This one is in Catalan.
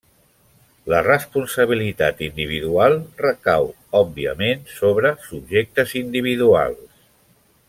La responsabilitat individual recau, òbviament, sobre subjectes individuals.